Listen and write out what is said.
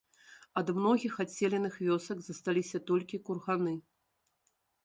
Ад многіх адселеных вёсак засталіся толькі курганы.